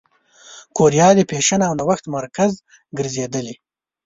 کوریا د فېشن او نوښت مرکز ګرځېدلې.